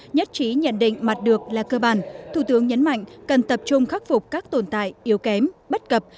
nhất trí nhận định mặt được là cơ bản thủ tướng nhấn mạnh cần tập trung khắc phục các tồn tại yếu kém bất cập